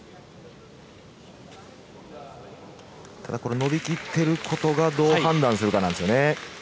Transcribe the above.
ただ、これ伸び切っていることがどう判断するかなんですね。